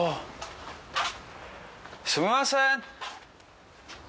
すみません！